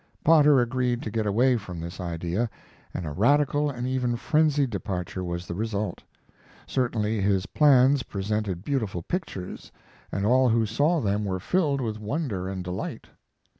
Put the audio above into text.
Potter agreed to get away from this idea, and a radical and even frenzied departure was the result. Certainly his plans presented beautiful pictures, and all who saw them were filled with wonder and delight.